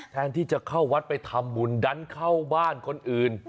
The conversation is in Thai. แทนที่จะเข้าวัดไปทำบุญดันเข้าบ้านคนอื่น